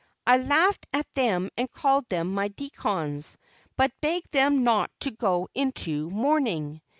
I laughed at them and called them my deacons, but begged them not to go into mourning.